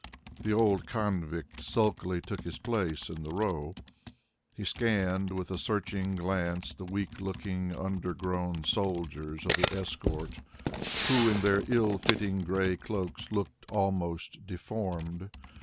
The old convict sulkily took his place in the row. He scanned with a searching glance the weak looking undergrown soldiers of the escort, who in their ill fitting grey cloaks looked almost deformed.